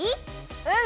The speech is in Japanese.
うん！